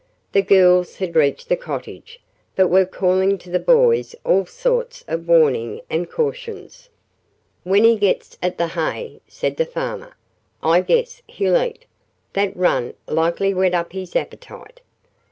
The girls had reached the cottage, but were calling to the boys all sorts of warning and cautions. "When he gets at the hay," said the farmer, "I guess he'll eat. That run likely whet up his appetite."